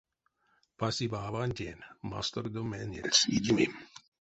Пасиба авантень мастордо менельс — идимим.